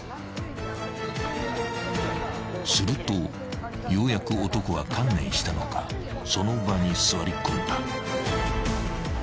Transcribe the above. ［するとようやく男は観念したのかその場に座り込んだ］